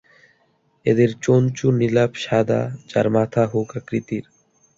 এদের চঞ্চু নীলাভ সাদা যার মাথা হুক আকৃতির।